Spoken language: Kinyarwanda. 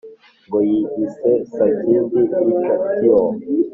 Ngo yiyise Sakindi Richatio